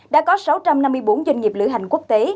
đã có sáu trăm năm mươi bốn doanh nghiệp lữ hành quốc tế